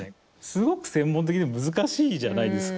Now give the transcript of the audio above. すごく専門的で難しいじゃないですか。